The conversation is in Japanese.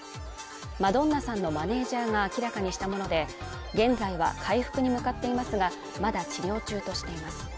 マドンナさんのマネージャーが明らかにしたもので、現在は回復に向かっていますがまだ治療中としています。